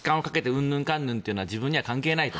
うんぬんかんぬんというのは自分には関係ないと。